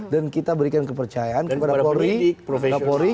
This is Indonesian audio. dan kita berikan kepercayaan kepada pori